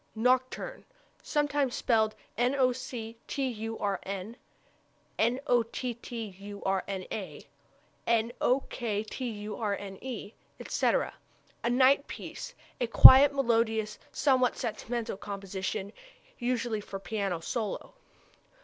Nocturne (sometimes spelled nocturn, notturna, nokturne, etc.) a night piece; a quiet, melodious, somewhat sentimental composition, usually for piano solo.